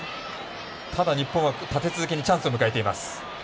ただ日本は立て続けにチャンスを迎えています。